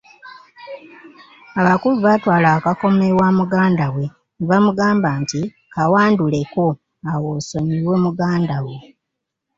Abakulu baatwala akakomo ewa muganda we ne bamugamba nti, kawanduleko awo osonyiwe muganda wo.